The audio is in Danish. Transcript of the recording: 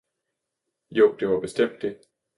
jo, det var bestemt det!